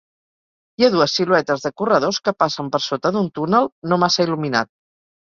Hi ha dues siluetes de corredors que passen per sota d'un túnel no massa il·luminat.